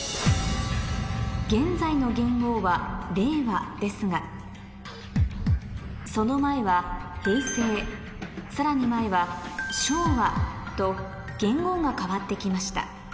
現在の元号は令和ですがその前はさらに前はと元号が変わって来ました